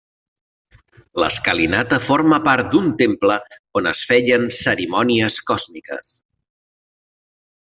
L'escalinata forma part d'un temple on es feien cerimònies còsmiques.